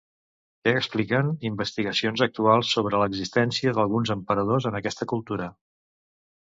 Què expliquen investigacions actuals sobre l'existència d'alguns emperadors en aquesta cultura?